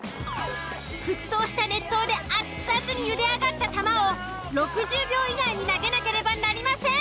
沸騰した熱湯で熱々に茹で上がった球を６０秒以内に投げなければなりません。